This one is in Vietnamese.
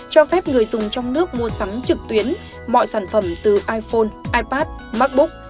cho phép người dùng trong nước mua sắm trực tuyến mọi sản phẩm từ iphone ipad macbook